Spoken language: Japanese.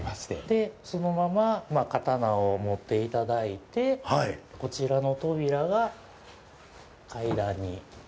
で、そのまま刀を持っていただいてこちらの扉が階段に。